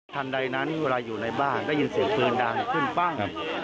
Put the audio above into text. ใดนั้นเวลาอยู่ในบ้านได้ยินเสียงปืนดังขึ้นปั้ง